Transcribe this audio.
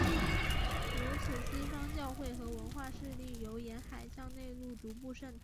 由此西方教会和文化势力由沿海向内陆逐步渗透。